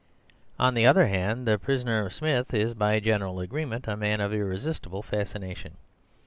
On the other hand, the prisoner Smith is, by general agreement, a man of irr'sistible fascination.